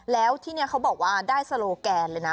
แล้วที่นี่เขาบอกว่าได้โซโลแกนเลยนะ